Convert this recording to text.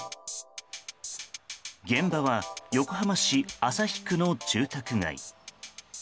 現場は横浜市旭区の住宅街。